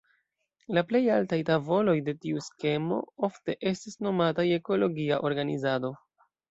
La plej altaj tavoloj de tiu skemo ofte estas nomataj "ekologia organizado".